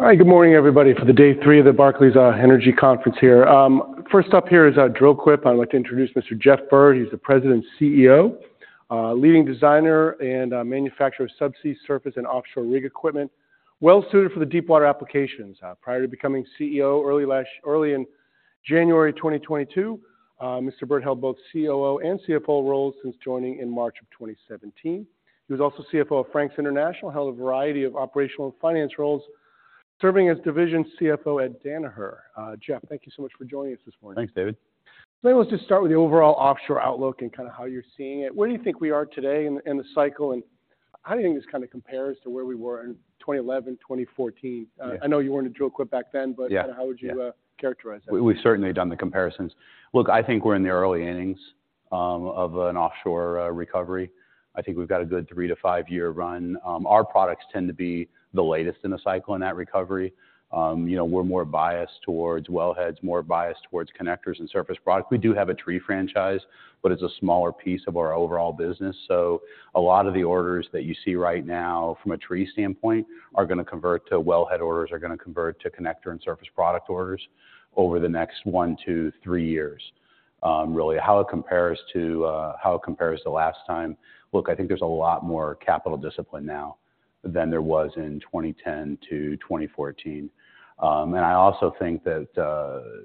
All right, good morning, everybody, for the day three of the Barclays Energy Conference here. First up here is Dril-Quip. I'd like to introduce Mr. Jeff Bird. He's the President and CEO, leading designer and manufacturer of subsea surface and offshore rig equipment, well suited for the deepwater applications. Prior to becoming CEO early in January 2022, Mr. Bird held both COO and CFO roles since joining in March of 2017. He was also CFO of Frank's International, held a variety of operational and finance roles, serving as division CFO at Danaher. Jeff, thank you so much for joining us this morning. Thanks, David. So let's just start with the overall offshore outlook and kinda how you're seeing it. Where do you think we are today in the cycle, and how do you think this kinda compares to where we were in 2011, 2014? Yeah. I know you weren't in Dril-Quip back then. Yeah, yeah. But kinda how would you characterize that? We've certainly done the comparisons. Look, I think we're in the early innings of an offshore recovery. I think we've got a good 3-5-year run. Our products tend to be the latest in the cycle in that recovery. You know, we're more biased towards wellheads, more biased towards connectors and surface products. We do have a tree franchise, but it's a smaller piece of our overall business. So a lot of the orders that you see right now from a tree standpoint are gonna convert to wellhead orders, are gonna convert to connector and surface product orders over the next 1-3 years. Really, how it compares to how it compares to last time. Look, I think there's a lot more capital discipline now than there was in 2010-2014. And I also think that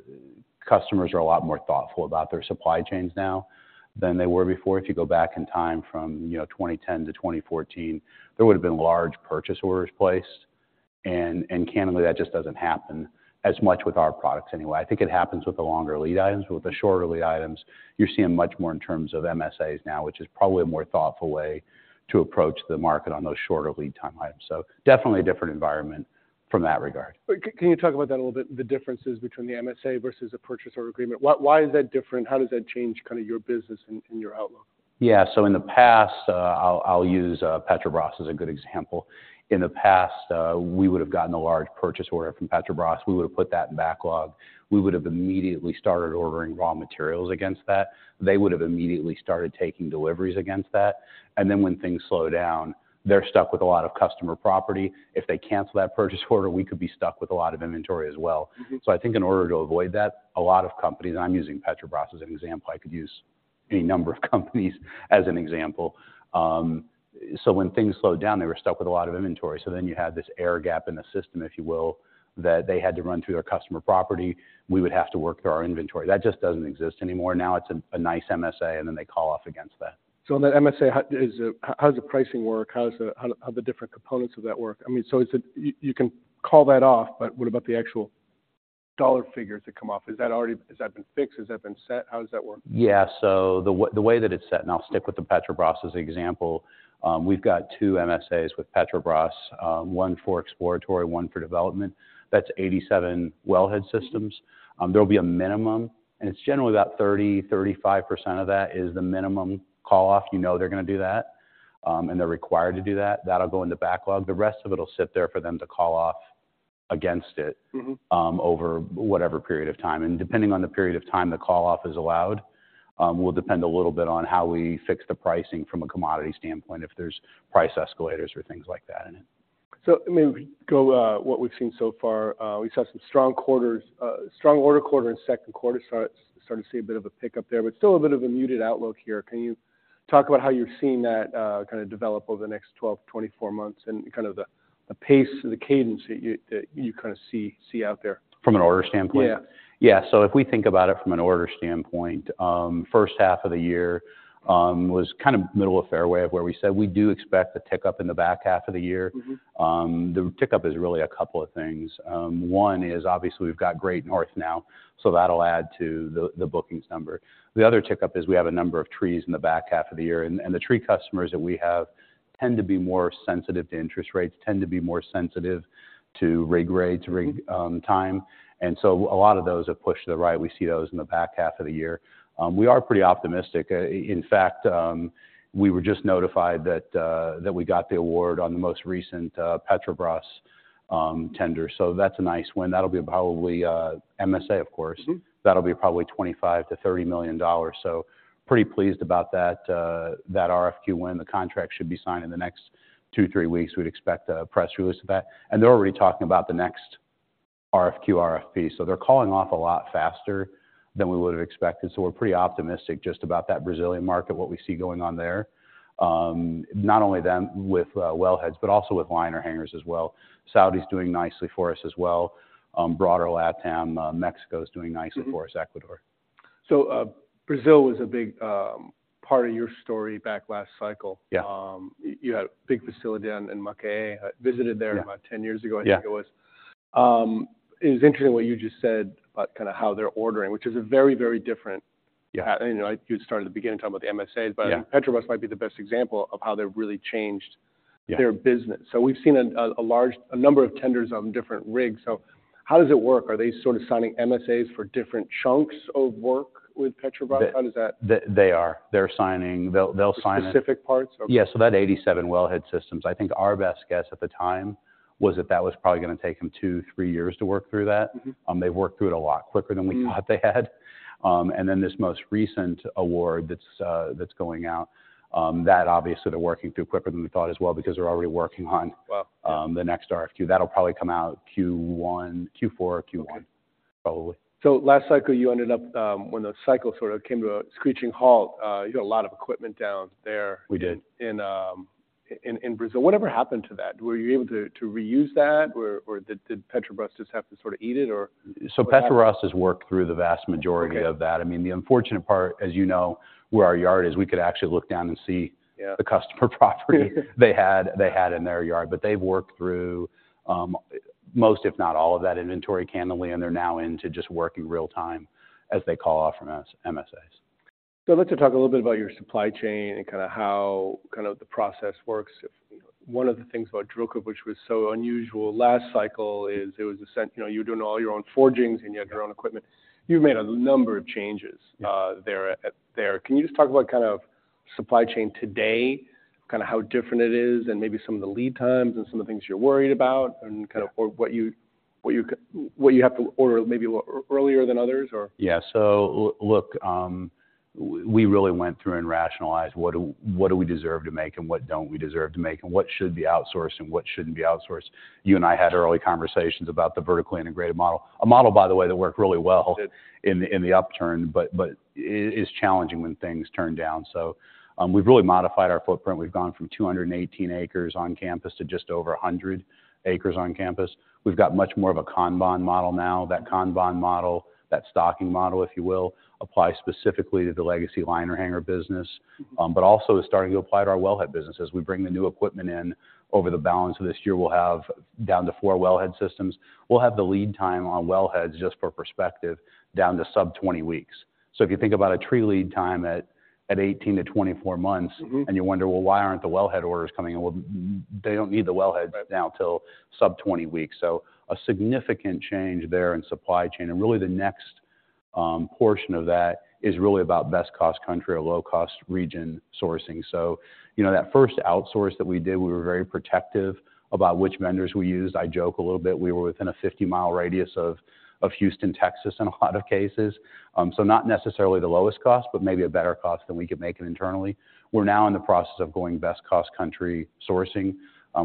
customers are a lot more thoughtful about their supply chains now than they were before. If you go back in time from, you know, 2010 to 2014, there would've been large purchase orders placed, and candidly, that just doesn't happen as much with our products anyway. I think it happens with the longer lead items, but with the shorter lead items, you're seeing much more in terms of MSAs now, which is probably a more thoughtful way to approach the market on those shorter lead time items. So definitely a different environment from that regard. But can you talk about that a little bit, the differences between the MSA versus a purchase order agreement? Why, why is that different? How does that change kinda your business and, and your outlook? Yeah. So in the past, I'll use Petrobras as a good example. In the past, we would've gotten a large purchase order from Petrobras. We would've put that in backlog. We would've immediately started ordering raw materials against that. They would've immediately started taking deliveries against that. And then, when things slow down, they're stuck with a lot of customer property. If they cancel that purchase order, we could be stuck with a lot of inventory as well. So I think in order to avoid that, a lot of companies, and I'm using Petrobras as an example, I could use any number of companies as an example. So when things slowed down, they were stuck with a lot of inventory, so then you had this air gap in the system, if you will, that they had to run through their customer property. We would have to work through our inventory. That just doesn't exist anymore. Now it's a nice MSA, and then they call off against that. The MSA, how is it, How does the pricing work? How does the how, how the different components of that work? I mean, is it you can call that off, but what about the actual dollar figures that come off? Is that already has that been fixed? Has that been set? How does that work? Yeah. So the way that it's set, and I'll stick with the Petrobras as example. We've got two MSAs with Petrobras, one for exploratory, one for development. That's 87 wellhead systems. There'll be a minimum, and it's generally about 30%-35% of that is the minimum call off. You know they're gonna do that, and they're required to do that. That'll go into backlog. The rest of it will sit there for them to call off against it over whatever period of time. Depending on the period of time the call off is allowed, will depend a little bit on how we fix the pricing from a commodity standpoint, if there's price escalators or things like that in it. So, I mean, we go, what we've seen so far, we've saw some strong quarters, strong order quarter in second quarter, start to see a bit of a pick-up there, but still a bit of a muted outlook here. Can you talk about how you're seeing that, kinda develop over the next 12 to 24 months, and kind of the pace and the cadence that you kinda see out there? From an order standpoint? Yeah. Yeah. So if we think about it from an order standpoint, first half of the year was kind of middle of fairway of where we said we do expect a tick-up in the back half of the year. The tick-up is really a couple of things. One is, obviously, we've got Great North now, so that'll add to the bookings number. The other tick-up is we have a number of trees in the back half of the year, and the tree customers that we have tend to be more sensitive to interest rates, tend to be more sensitive to rig rates, rig time, and so a lot of those have pushed to the right. We see those in the back half of the year. We are pretty optimistic. In fact, we were just notified that we got the award on the most recent Petrobras tender, so that's a nice win. That'll be probably MSA, of course. That'll be probably $25-$30 million, so pretty pleased about that, that RFQ win. The contract should be signed in the next 2-3 weeks. We'd expect a press release of that. They're already talking about the next RFQ, RFP, so they're calling off a lot faster than we would've expected. We're pretty optimistic just about that Brazilian market, what we see going on there. Not only them with wellheads, but also with liner hangers as well. Saudi's doing nicely for us as well. Broader LatAm, Mexico is doing nicely- for us, Ecuador. Brazil was a big part of your story back last cycle. Yeah. You had a big facility down in Macaé. I visited there- Yeah about 10 years ago, I think it was. Yeah. It was interesting what you just said about kinda how they're ordering, which is a very, very different You know, you started at the beginning talking about the MSAs. Yeah. But Petrobras might be the best example of how they've really changed their business. So we've seen a large number of tenders on different rigs. So how does it work? Are they sort of signing MSAs for different chunks of work with Petrobras? How does that They are. They're signing, they'll sign it Specific parts of Yeah, so that 87 wellhead systems, I think our best guess at the time was that that was probably gonna take them 2-3 years to work through that. They've worked through it a lot quicker than we thought they had. And then this most recent award that's going out, that obviously they're working through quicker than we thought as well because they're already working on the next RFQ. That'll probably come out Q1, Q4 or Q1 probably. So last cycle, you ended up, when the cycle sort of came to a screeching halt, you got a lot of equipment down there We did. in Brazil. Whatever happened to that? Were you able to reuse that, or did Petrobras just have to sort of eat it or? So Petrobras has worked through the vast majority of that. Okay. I mean, the unfortunate part, as you know, where our yard is, we could actually look down and see Yeah the customer property they had in their yard. But they've worked through most, if not all, of that inventory, candidly, and they're now into just working real time as they call off from us, MSAs. So I'd like to talk a little bit about your supply chain and kinda how the process works. One of the things about Dril-Quip which was so unusual last cycle is it was the sense... You know, you were doing all your own forgings, and you had your own equipment. You've made a number of changes- Yeah Can you just talk about kind of supply chain today, kinda how different it is, and maybe some of the lead times and some of the things you're worried about, and kind of- Yeah or what you have to order maybe earlier than others, or? Yeah. So look, we really went through and rationalized what do, what do we deserve to make and what don't we deserve to make, and what should be outsourced and what shouldn't be outsourced. You and I had early conversations about the vertically integrated model. A model, by the way, that worked really well in the upturn, but it's challenging when things turn down. So, we've really modified our footprint. We've gone from 218 acres on campus to just over 100 acres on campus. We've got much more of a Kanban model now. That Kanban model, that stocking model, if you will, applies specifically to the legacy liner hanger business. But also is starting to apply to our wellhead business. As we bring the new equipment in over the balance of this year, we'll have down to four wellhead systems. We'll have the lead time on wellheads, just for perspective, down to sub-20 weeks. So if you think about a tree lead time at 18-24 months- and you wonder, "Well, why aren't the wellhead orders coming in?" Well, they don't need the wellheads Right now till sub-20 weeks. So a significant change there in supply chain, and really the next portion of that is really about best cost country or low-cost region sourcing. So you know, that first outsource that we did, we were very protective about which vendors we used. I joke a little bit, we were within a 50-mile radius of Houston, Texas, in a lot of cases. So not necessarily the lowest cost, but maybe a better cost than we could make it internally. We're now in the process of going best cost country sourcing.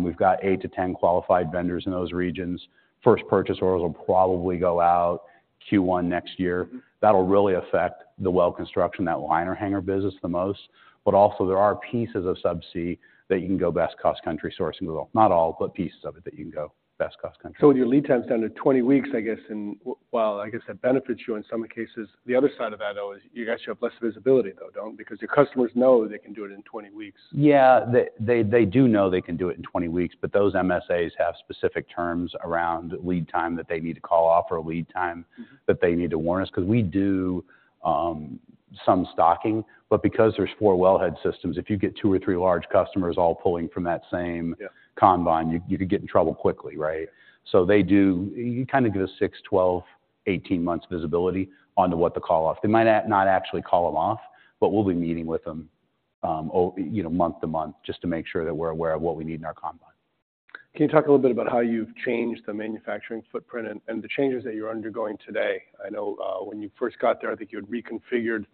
We've got 8-10 qualified vendors in those regions. First purchase orders will probably go out Q1 next year. That'll really affect the well construction, that liner hanger business the most. But also there are pieces of subsea that you can go best cost country sourcing. Well, not all, but pieces of it that you can go best cost country. So with your lead times down to 20 weeks, I guess, and while I guess that benefits you in some cases, the other side of that, though, is you guys should have less visibility, though, don't you? Because your customers know they can do it in 20 weeks. Yeah, they do know they can do it in 20 weeks, but those MSAs have specific terms around lead time that they need to call off, or a lead time that they need to warn us, 'cause we do some stocking. But because there's four wellhead systems, if you get two or three large customers all pulling from that same- Yeah Kanban, you could get in trouble quickly, right? So they do. You kind of get a 6, 12, 18 months visibility onto what to call off. They might not actually call them off, but we'll be meeting with them, you know, month to month, just to make sure that we're aware of what we need in our Kanban. Can you talk a little bit about how you've changed the manufacturing footprint and the changes that you're undergoing today? I know, when you first got there, I think you had reconfigured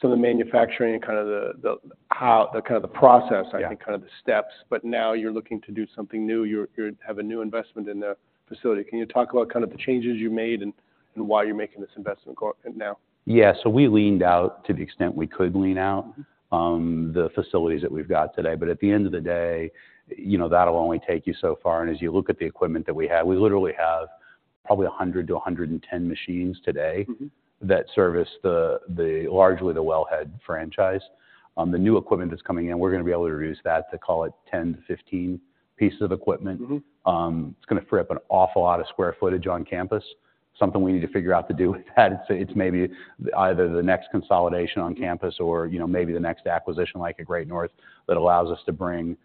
some of the manufacturing and kinda the how, the kinda the process- Yeah I think, kinda the steps. But now you're looking to do something new. You have a new investment in the facility. Can you talk about kind of the changes you made and why you're making this investment for now? Yeah, so we leaned out to the extent we could lean out, the facilities that we've got today. But at the end of the day, you know, that'll only take you so far. And as you look at the equipment that we have, we literally have probably 100-110 machines today that service largely the wellhead franchise. The new equipment that's coming in, we're gonna be able to reduce that, to call it, 10-15 pieces of equipment. It's gonna free up an awful lot of square footage on campus. Something we need to figure out to do with that. It's, it's maybe either the next consolidation on campus or, you know, maybe the next acquisition, like a Great North, that allows us to bring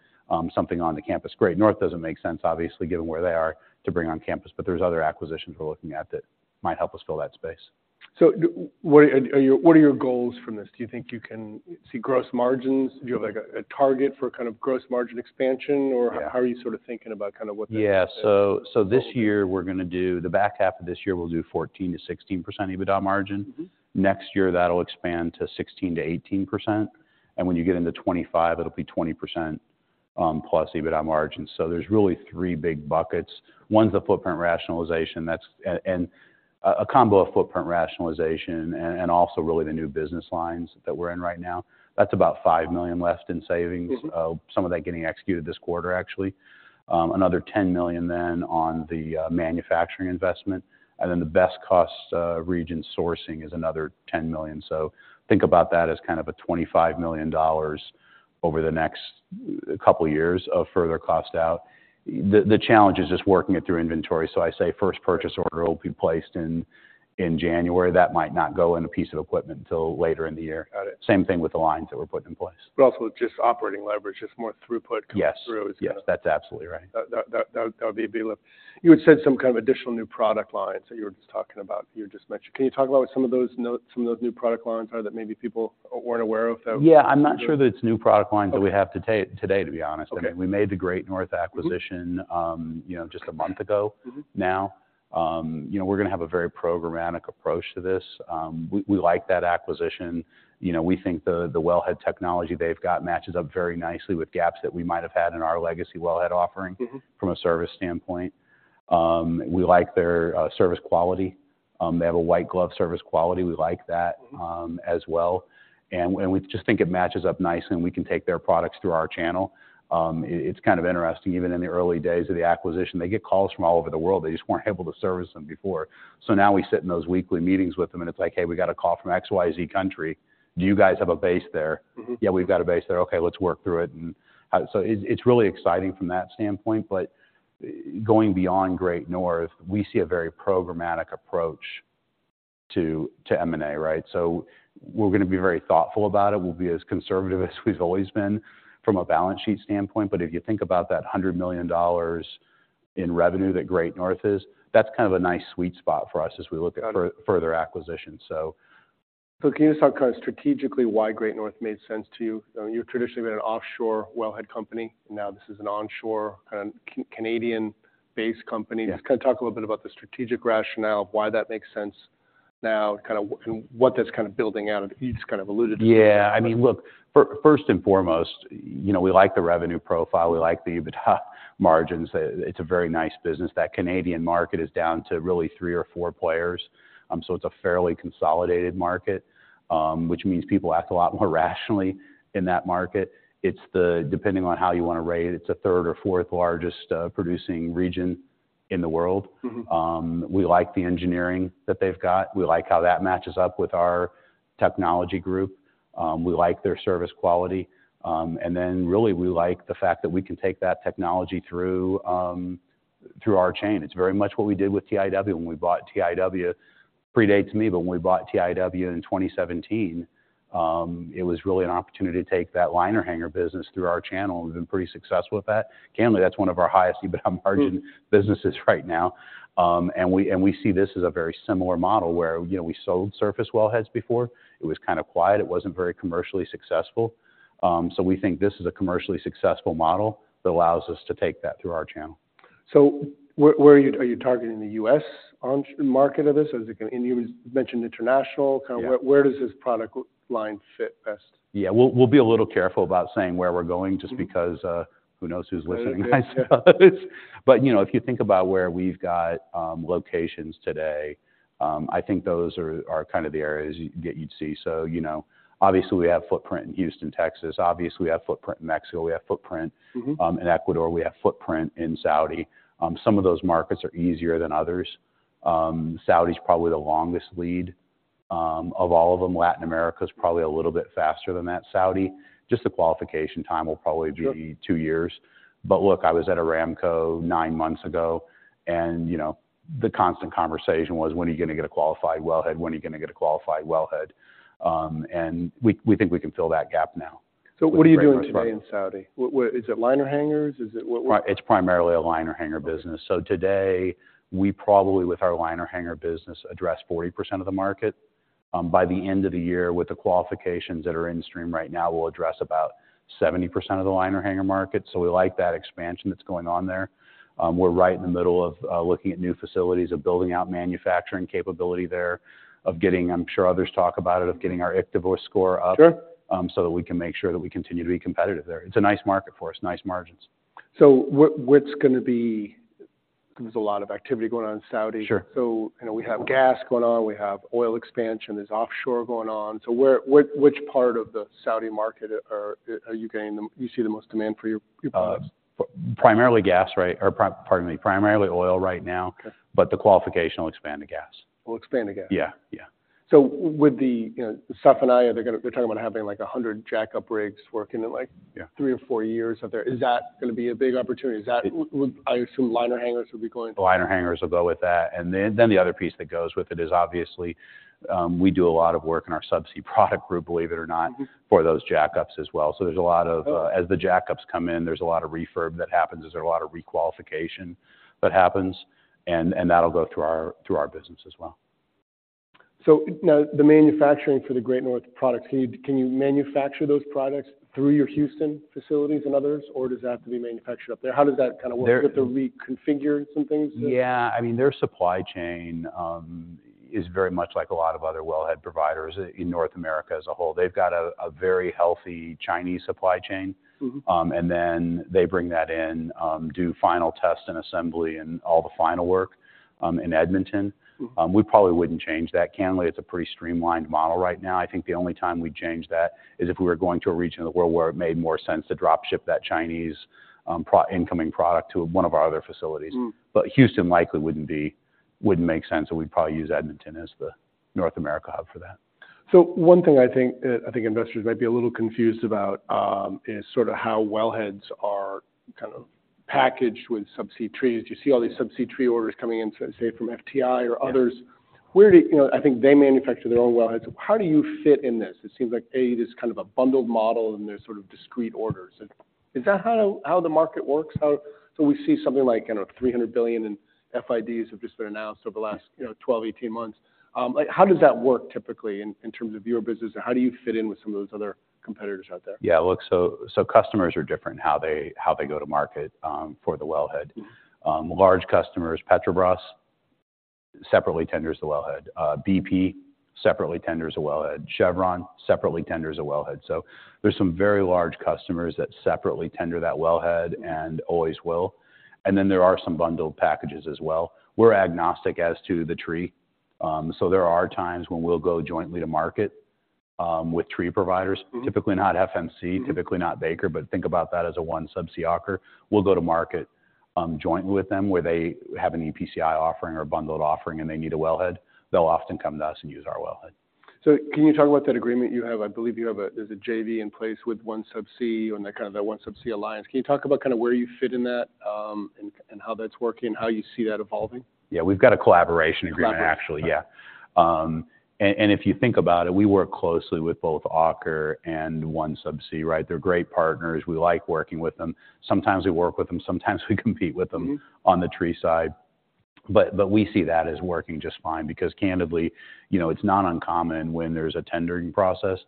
something onto campus. Great North doesn't make sense, obviously, given where they are, to bring on campus, but there's other acquisitions we're looking at that might help us fill that space. So, what are your, what are your goals from this? Do you think you can see gross margins? Do you have, like, a target for kind of gross margin expansion, or Yeah how are you sort of thinking about kind of what the This year we're gonna do, the back half of this year, we'll do 14%-16% EBITDA margin. Next year, that'll expand to 16%-18%, and when you get into 2025, it'll be 20%, plus EBITDA margin. So there's really three big buckets. One's the footprint rationalization, that's A, and a combo of footprint rationalization and also really the new business lines that we're in right now. That's about $5 million left in savings. Some of that getting executed this quarter, actually. Another $10 million then on the manufacturing investment, and then the best cost region sourcing is another $10 million. So think about that as kind of a $25 million over the next couple of years of further cost out. The challenge is just working it through inventory. So I say first purchase order will be placed in January. That might not go in a piece of equipment until later in the year. Got it. Same thing with the lines that we're putting in place. But also just operating leverage, just more throughput coming through. Yes. Yes, that's absolutely right. That would be a benefit. You had said some kind of additional new product lines that you were just talking about, you just mentioned. Can you talk about what some of those, some of those new product lines are, that maybe people weren't aware of that- Yeah, I'm not sure that it's new product lines- Okay that we have to take today, to be honest. Okay. I mean, we made the Great North acquisition- you know, just a month ago now. You know, we're gonna have a very programmatic approach to this. We like that acquisition. You know, we think the wellhead technology they've got matches up very nicely with gaps that we might have had in our legacy wellhead offering from a service standpoint. We like their service quality. They have a white glove service quality, we like that, as well. And we just think it matches up nicely, and we can take their products through our channel. It's kind of interesting, even in the early days of the acquisition, they get calls from all over the world, they just weren't able to service them before. So now we sit in those weekly meetings with them, and it's like: "Hey, we got a call from XYZ country. Do you guys have a base there? Yeah, we've got a base there." "Okay, let's work through it, and..." so it's really exciting from that standpoint. But going beyond Great North, we see a very programmatic approach to M&A, right? So we're gonna be very thoughtful about it. We'll be as conservative as we've always been from a balance sheet standpoint. But if you think about that $100 million in revenue that Great North is, that's kind of a nice sweet spot for us as we look at- further acquisitions, so. So can you just talk kind of strategically why Great North made sense to you? You've traditionally been an offshore wellhead company, and now this is an onshore, kind of, Canadian-based company. Just kind of talk a little bit about the strategic rationale of why that makes sense now, kind of, and what that's kind of building out, you just kind of alluded to. Yeah. I mean, look, first and foremost, you know, we like the revenue profile, we like the EBITDA margins. It's a very nice business. That Canadian market is down to really three or four players. So it's a fairly consolidated market, which means people act a lot more rationally in that market. It's the, depending on how you wanna rate it, it's the third or fourth largest producing region in the world. We like the engineering that they've got. We like how that matches up with our technology group. We like their service quality. And then really, we like the fact that we can take that technology through, through our chain. It's very much what we did with TIW. When we bought TIW, predates me, but when we bought TIW in 2017, it was really an opportunity to take that liner hanger business through our channel, and we've been pretty successful with that. Candidly, that's one of our highest EBITDA margin businesses right now. And we see this as a very similar model, where, you know, we sold surface wellheads before. It was kind of quiet, it wasn't very commercially successful. So we think this is a commercially successful model that allows us to take that through our channel. So where are you, are you targeting the U.S. onshore market of this? Or is it gonna, and you mentioned international, kind of Yeah where does this product line fit best? Yeah, we'll be a little careful about saying where we're going- just because, who knows who's listening, I suppose. Right. Yeah. But, you know, if you think about where we've got locations today, I think those are kind of the areas that you'd see. So, you know, obviously, we have footprint in Houston, Texas, obviously, we have footprint in Mexico, we have footprint in Ecuador, we have footprint in Saudi. Some of those markets are easier than others. Saudi's probably the longest lead of all of them. Latin America is probably a little bit faster than that. Saudi, just the qualification time will probably be Sure two years. But look, I was at Aramco nine months ago, and, you know, the constant conversation was: "When are you gonna get a qualified wellhead? When are you gonna get a qualified wellhead?" And we think we can fill that gap now with the Great North product. So what are you doing today in Saudi? What, what, Is it liner hangers? Is it what, what It's primarily a liner hanger business. Okay. So today, we probably, with our liner hanger business, address 40% of the market. By the end of the year, with the qualifications that are in stream right now, we'll address about 70% of the liner hanger market. So we like that expansion that's going on there. We're right in the middle of looking at new facilities, of building out manufacturing capability there, of getting, I'm sure others talk about it, of getting our iktva score up Sure so that we can make sure that we continue to be competitive there. It's a nice market for us, nice margins. There's a lot of activity going on in Saudi. Sure. You know, we have gas going on, we have oil expansion, there's offshore going on. Where, which part of the Saudi market are you gaining the, you see the most demand for your products? Primarily gas, right? Pardon me, primarily oil right now. Okay. But the qualification will expand to gas. Will expand to gas. Yeah, yeah. So with the, you know, Safaniya, they're talking about having, like, 100 jack-up rigs working in, like Yeah three or four years out there. Is that gonna be a big opportunity? Is that- It, Would, I assume, liner hangers would be going? Liner hangers will go with that. And then, the other piece that goes with it is, obviously, we do a lot of work in our Subsea product group, believe it or not- for those jack-ups as well. So there's a lot of, Okay as the jack-ups come in, there's a lot of refurb that happens, there's a lot of re-qualification that happens, and that'll go through our business as well. So now, the manufacturing for the Great North products, can you, can you manufacture those products through your Houston facilities and others, or does that have to be manufactured up there? How does that kind of work? Well Do you have to reconfigure some things there? Yeah. I mean, their supply chain is very much like a lot of other wellhead providers in North America as a whole. They've got a very healthy Chinese supply chain. And then they bring that in, do final test and assembly, and all the final work, in Edmonton. We probably wouldn't change that. Candidly, it's a pretty streamlined model right now. I think the only time we'd change that is if we were going to a region of the world where it made more sense to drop ship that Chinese, pro-incoming product to one of our other facilities. But Houston likely wouldn't be, wouldn't make sense, so we'd probably use Edmonton as the North America hub for that. So one thing I think, I think investors might be a little confused about, is sort of how wellheads are kind of packaged with subsea trees. You see all these subsea tree orders coming in from, say, from FTI or others. Yeah. Where do you, you know, I think they manufacture their own wellheads. How do you fit in this? It seems like, A, it is kind of a bundled model, and they're sort of discrete orders. Is that how, how the market works? How so, we see something like, you know, $300 billion in FIDs have just been announced over the last, you know, 12-18 months. Like, how does that work typically in, in terms of your business? Or how do you fit in with some of those other competitors out there? Yeah, look, so customers are different, how they go to market for the wellhead. Large customers, Petrobras separately tenders the wellhead. BP separately tenders a wellhead. Chevron separately tenders a wellhead. So there's some very large customers that separately tender that wellhead and always will, and then there are some bundled packages as well. We're agnostic as to the tree, so there are times when we'll go jointly to market, with tree providers. Typically not FMC typically not Baker, but think about that as a OneSubsea offer. We'll go to market, jointly with them where they have an EPCI offering or bundled offering, and they need a wellhead. They'll often come to us and use our wellhead. So can you talk about that agreement you have? I believe you have a, there's a JV in place with OneSubsea and that kind of, that OneSubsea alliance. Can you talk about kind of where you fit in that, and how that's working, how you see that evolving? Yeah. We've got a collaboration agreement, actually. Collaboration. Yeah. And if you think about it, we work closely with both Aker and OneSubsea, right? They're great partners. We like working with them. Sometimes we work with them, sometimes we compete with them- On the tree side. But we see that as working just fine because candidly, you know, it's not uncommon when there's a tendering process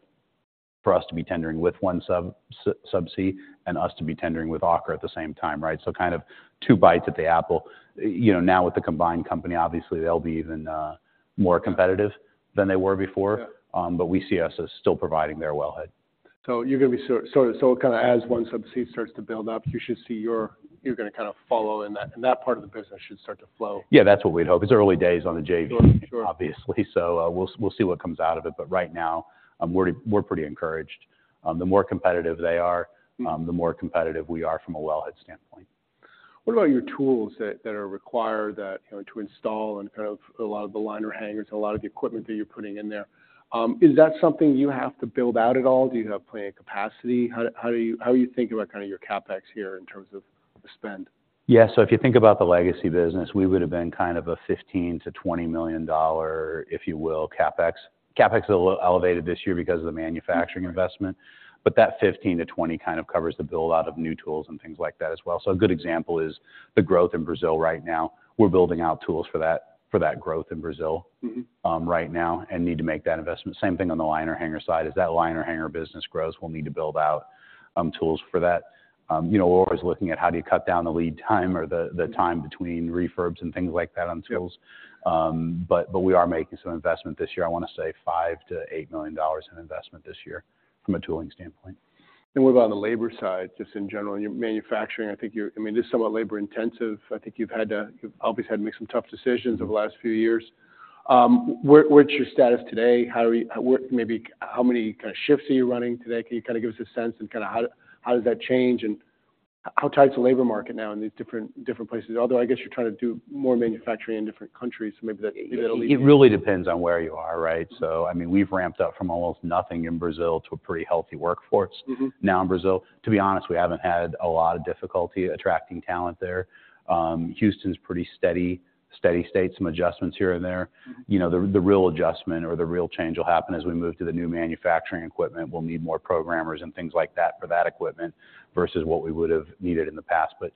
for us to be tendering with OneSubsea and us to be tendering with Aker at the same time, right? So kind of two bites at the apple. You know, now with the combined company, obviously, they'll be even more competitive than they were before. But we see us as still providing their wellhead. So, kind of as OneSubsea starts to build up, you should see you're gonna kind of follow in that, and that part of the business should start to flow. Yeah, that's what we'd hope. It's early days on the JV- Sure, sure. Obviously, so we'll see what comes out of it. But right now, we're pretty encouraged. The more competitive they are- The more competitive we are from a wellhead standpoint. What about your tools that are required that, you know, to install and kind of a lot of the liner hangers and a lot of the equipment that you're putting in there? Is that something you have to build out at all? Do you have plenty of capacity? How do you think about kind of your CapEx here in terms of the spend? Yeah, so if you think about the legacy business, we would've been kind of a $15-$20 million, if you will, CapEx. CapEx is a little elevated this year because of the manufacturing investment- -but that 15-20 kind of covers the build-out of new tools and things like that as well. So a good example is the growth in Brazil right now. We're building out tools for that, for that growth in Brazil- Right now and need to make that investment. Same thing on the liner hanger side. As that liner hanger business grows, we'll need to build out tools for that. You know, we're always looking at how do you cut down the lead time or the time between refurbs and things like that on tools. Sure. But we are making some investment this year. I wanna say $5 million-$8 million in investment this year from a tooling standpoint. What about on the labor side, just in general? You're manufacturing, I think you're... I mean, this is somewhat labor intensive. I think you've had to, you've obviously had to make some tough decisions- -over the last few years. Where, what's your status today? How are you... Where maybe, how many kind of shifts are you running today? Can you kinda give us a sense and kinda how, how does that change, and how tight is the labor market now in these different, different places? Although, I guess you're trying to do more manufacturing in different countries, so maybe that, maybe that'll leave- It really depends on where you are, right? So, I mean, we've ramped up from almost nothing in Brazil to a pretty healthy workforce- Now in Brazil. To be honest, we haven't had a lot of difficulty attracting talent there. Houston's pretty steady, steady state, some adjustments here and there. You know, the real adjustment or the real change will happen as we move to the new manufacturing equipment. We'll need more programmers and things like that for that equipment, versus what we would've needed in the past. But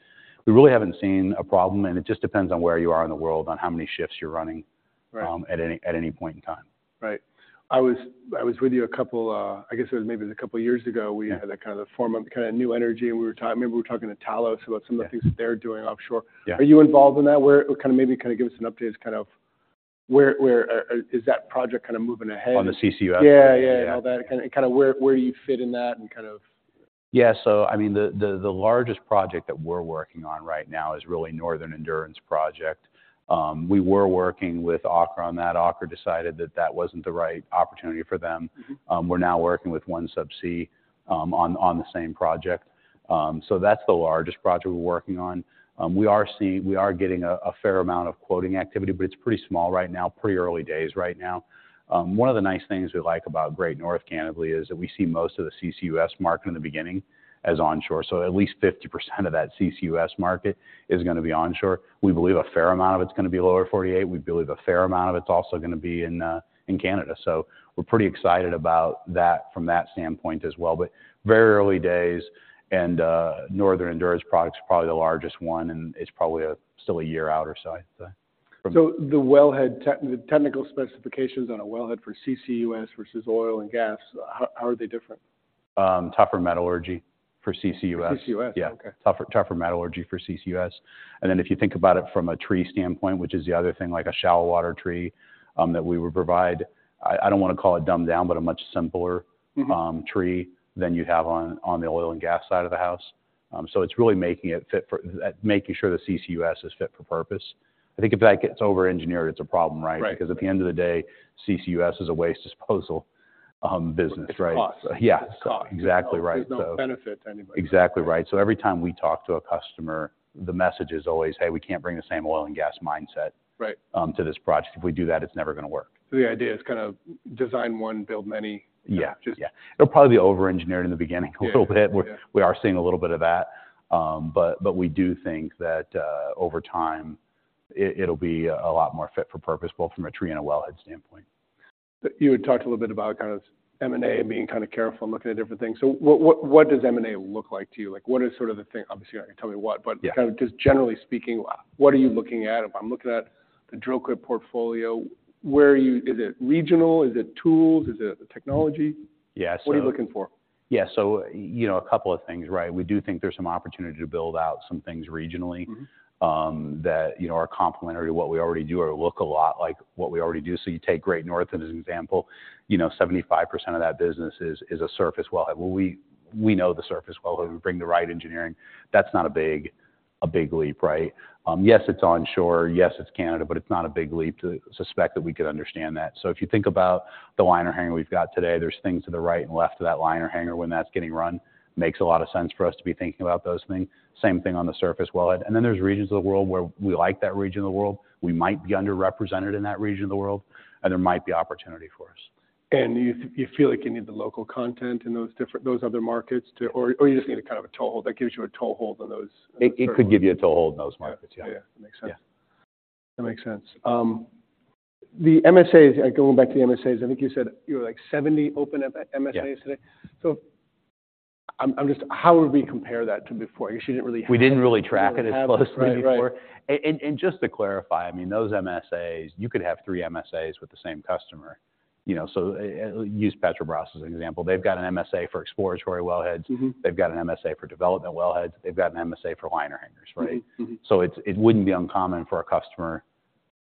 we really haven't seen a problem, and it just depends on where you are in the world on how many shifts you're running- Right at any point in time. Right. I was with you a couple. I guess it was maybe a couple of years ago. where you had a kind of a form of kind of new energy, and we were talking, maybe we were talking to Talos about some of the- Yeah things that they're doing offshore. Yeah. Are you involved in that, where kind of maybe kind of give us an update as kind of where, where is that project kind of moving ahead? On the CCUS? Yeah, yeah- Yeah and all that. And kind of where do you fit in that and kind of? Yeah, so I mean, the largest project that we're working on right now is really Northern Endurance Project. We were working with Aker on that. Aker decided that that wasn't the right opportunity for them. We're now working with OneSubsea on the same project. So that's the largest project we're working on. We are seeing, we are getting a fair amount of quoting activity, but it's pretty small right now, pretty early days right now. One of the nice things we like about Great North, candidly, is that we see most of the CCUS market in the beginning as onshore. So at least 50% of that CCUS market is gonna be onshore. We believe a fair amount of it's gonna be Lower 48. We believe a fair amount of it's also gonna be in Canada. So we're pretty excited about that from that standpoint as well. But very early days and Northern Endurance project's probably the largest one, and it's probably still a year out or so, I'd say. From- So the wellhead, the technical specifications on a wellhead for CCUS versus oil and gas, how, how are they different? Tougher metallurgy for CCUS. CCUS? Yeah. Okay. Tougher, tougher metallurgy for CCUS. And then if you think about it from a tree standpoint, which is the other thing, like a shallow water tree, that we would provide, I don't wanna call it dumbed down, but a much simpler- tree than you'd have on the oil and gas side of the house. So it's really making it fit for making sure the CCUS is fit for purpose. I think if that gets over-engineered, it's a problem, right? Right. Because at the end of the day, CCUS is a waste disposal business, right? It's cost. Yeah. Cost. Exactly right. So- There's no benefit to anybody. Exactly right. So every time we talk to a customer, the message is always: "Hey, we can't bring the same oil and gas mindset- Right to this project. If we do that, it's never gonna work. The idea is kind of design one, build many? Yeah. Just- Yeah. It'll probably be over-engineered in the beginning- Yeah A little bit. Yeah. We are seeing a little bit of that. But we do think that over time, it'll be a lot more fit for purpose, both from a tree and a wellhead standpoint. You had talked a little bit about kind of M&A and being kind of careful and looking at different things. So what, what, what does M&A look like to you? Like, what is sort of the thing... Obviously, you're not gonna tell me what- Yeah but kind of just generally speaking, what are you looking at? If I'm looking at the Dril-Quip portfolio, where are you... Is it regional? Is it tools? Is it the technology? Yeah, so- What are you looking for? Yeah, so, you know, a couple of things, right? We do think there's some opportunity to build out some things regionally- that, you know, are complementary to what we already do or look a lot like what we already do. So you take Great North as an example. You know, 75% of that business is a surface wellhead. Well, we know the surface wellhead. We bring the right engineering. That's not a big leap, right? Yes, it's onshore. Yes, it's Canada, but it's not a big leap to suspect that we could understand that. So if you think about the liner hanger we've got today, there's things to the right and left of that liner hanger when that's getting run. Makes a lot of sense for us to be thinking about those things. Same thing on the surface wellhead. And then there's regions of the world where we like that region of the world. We might be underrepresented in that region of the world, and there might be opportunity for us. And you feel like you need the local content in those other markets to... Or you just need a kind of a toehold that gives you a toehold on those- It could give you a toehold in those markets, yeah. Yeah, makes sense. Yeah. That makes sense. The MSAs, going back to the MSAs, I think you said you were, like, 70 open up MSAs today? Yeah. How would we compare that to before? You actually didn't really have- We didn't really track it as closely before. Right. Right. Just to clarify, I mean, those MSAs, you could have three MSAs with the same customer, you know? So, use Petrobras as an example. They've got an MSA for exploratory wellheads. They've got an MSA for development wellheads. They've got an MSA for liner hangers, right? So, it wouldn't be uncommon for a customer.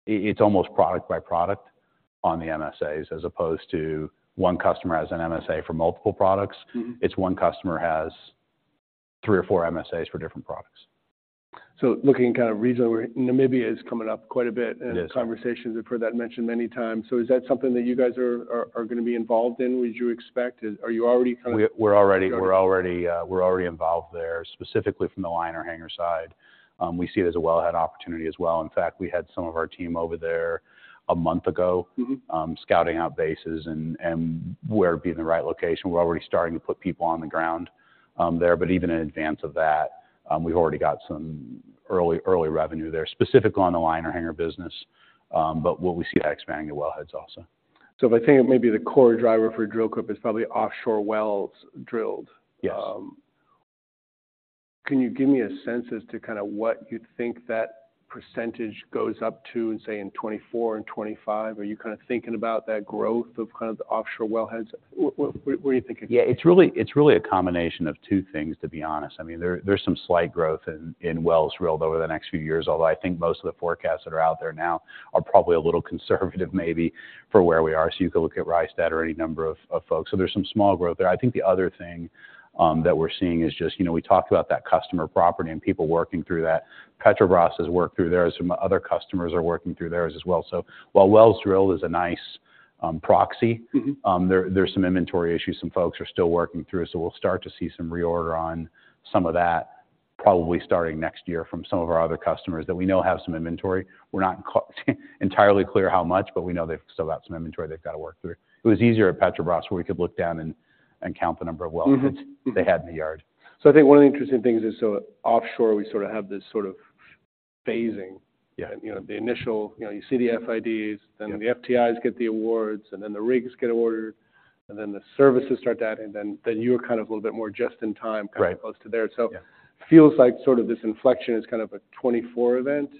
It's almost product by product on the MSAs, as opposed to one customer has an MSA for multiple products. It's one customer has three or four MSAs for different products. So looking kind of regionally, Namibia is coming up quite a bit- It is in conversations. I've heard that mentioned many times. So is that something that you guys are gonna be involved in, would you expect? Are you already kind of- We're already involved there, specifically from the liner hanger side. We see it as a wellhead opportunity as well. In fact, we had some of our team over there a month ago- scouting out bases and where it'd be in the right location. We're already starting to put people on the ground there. But even in advance of that, we've already got some early revenue there, specifically on the liner hanger business. But what we see expanding to wellheads also. So, if I think it may be the core driver for Dril-Quip, is probably offshore wells drilled. Yes. Can you give me a sense as to kinda what you'd think that percentage goes up to, in, say, in 2024 and 2025? Are you kinda thinking about that growth of kind of the offshore wellheads? What are you thinking? Yeah, it's really, it's really a combination of two things, to be honest. I mean, there, there's some slight growth in, in wells drilled over the next few years, although I think most of the forecasts that are out there now are probably a little conservative, maybe, for where we are. So you could look at Rystad or any number of, of folks. So there's some small growth there. I think the other thing that we're seeing is just, you know, we talked about that customer property and people working through that. Petrobras has worked through theirs, some other customers are working through theirs as well. So while wells drilled is a nice proxy- there, there's some inventory issues some folks are still working through. So we'll start to see some reorder on some of that, probably starting next year from some of our other customers that we know have some inventory. We're not entirely clear how much, but we know they've still got some inventory they've got to work through. It was easier at Petrobras, where we could look down and count the number of wellheads- they had in the yard. So I think one of the interesting things is, so offshore, we sort of have this sort of phasing. Yeah. You know, the initial, you know, you see the FIDs- Yeah then the FTIs get the awards, and then the rigs get ordered, and then the services start to add, and then, then you're kind of a little bit more just in time- Right kind of, close to there. Yeah. Feels like sort of this inflection is kind of a 2024 event?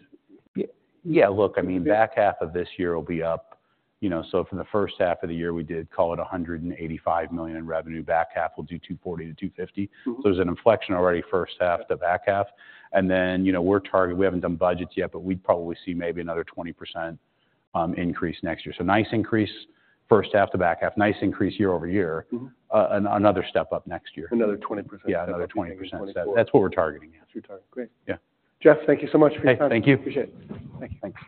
Yeah, look, I mean- Yeah back half of this year will be up. You know, so from the first half of the year, we did, call it $185 million in revenue. Back half, we'll do $240 million-$250 million. So there's an inflection already, first half to back half. And then, you know, we're targeting. We haven't done budgets yet, but we'd probably see maybe another 20% increase next year. So nice increase, first half to back half. Nice increase year-over-year. Another step up next year. Another 20%? Yeah, another 20%. Twenty percent. That's what we're targeting, yeah. That's your target. Great. Yeah. Jeff, thank you so much for your time. Hey, thank you. Appreciate it. Thank you. Thanks.